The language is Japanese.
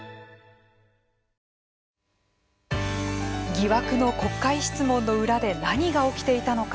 疑惑の国会質問の裏で何が起きていたのか。